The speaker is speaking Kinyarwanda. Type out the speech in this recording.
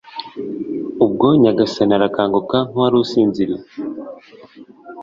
Ubwo Nyagasani arakanguka nk’uwari usinziriye